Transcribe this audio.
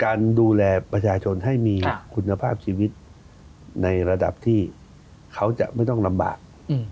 ดูแลประชาชนให้มีคุณภาพชีวิตในระดับที่เขาจะไม่ต้องลำบาก